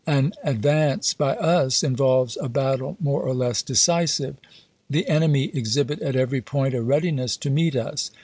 An advance by us involves a battle more or less decisive. The enemy exhibit at every point a readiness to meet us.